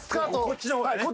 こっちの方にね。